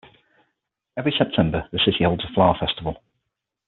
Every September the city holds a flower festival.